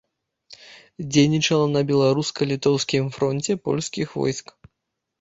Дзейнічала на беларуска-літоўскім фронце польскіх войск.